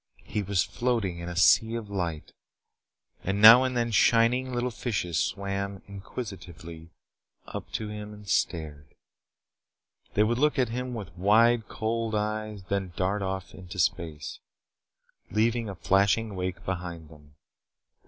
He was floating in a sea of light, and now and then shining little fishes swam inquisitively up to him and stared. They would look at him with wide, cold eyes and then dart off into space, leaving a flashing wake behind them.